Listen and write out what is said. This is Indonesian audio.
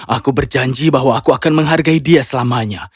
aku berjanji bahwa aku akan menghargai dia selamanya